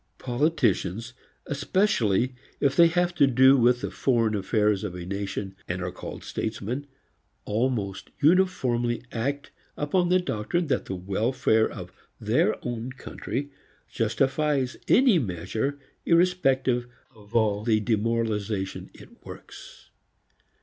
Politicians, especially if they have to do with the foreign affairs of a nation and are called statesmen, almost uniformly act upon the doctrine that the welfare of their own country justifies any measure irrespective of all the demoralization it works.